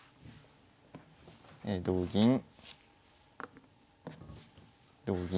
同銀同銀。